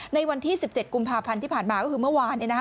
ในวันที่๑๗กุมภาพันธ์ที่ผ่านมาก็คือเมื่อวาน